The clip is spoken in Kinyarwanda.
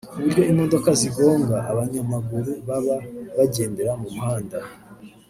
kuburyo imodoka zigonga abanyamaguru baba bagendera mu muhanda